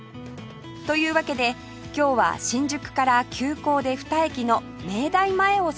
というわけで今日は新宿から急行で２駅の明大前を散歩します